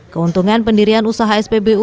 keuntungan pendirian usaha spbu